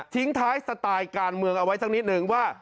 ทิ้งท้ายสไตล์การเมืองเอาไว้สักนิดนึงว่า